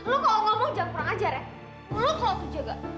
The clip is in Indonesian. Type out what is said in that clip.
eh lo kalau ngomong jangan kurang ajar ya lo kalau itu juga